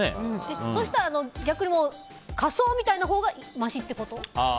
そういう人は逆に仮装みたいなほうがましってこと？